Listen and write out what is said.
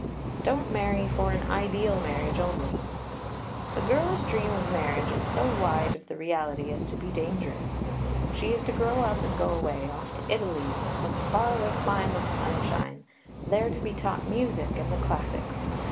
Don't marry for an ideal marriage only. The girlish dream of marriage is so wide of the reality as to be dangerous. She is to grow up and go away, off to Italy, or some far away clime of sunshine; there to be taught music and the classics.